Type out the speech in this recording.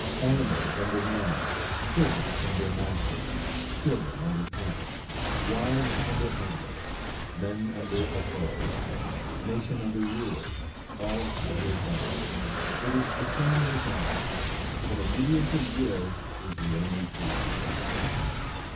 Animals under man–servants under masters–children under parents–wives under husbands–men under authorities–nations under rulers–all under God,–it is the same with all:–in obedience of will is the only true peace.